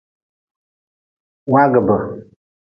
Waagʼbe.